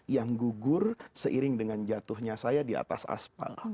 yang gugur seiring dengan jatuhnya saya di atas aspal